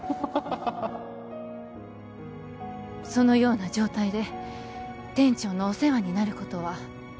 そのような状態で店長のお世話になることは